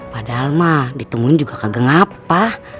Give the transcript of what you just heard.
padahal mah ditemuin juga kagak ngapa